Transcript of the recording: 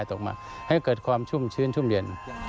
ตกมาให้เกิดความชุ่มชื้นชุ่มเย็น